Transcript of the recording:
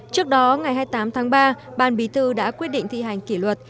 trước đó ngày hai mươi tám tháng ba ban bí tư đã quyết định thi hành kỷ luật